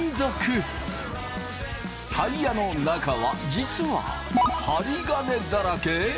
タイヤの中は実は針金だらけ！？